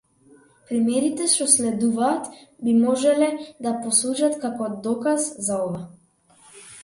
Примерите што следуваат би можеле да послужат како доказ за ова.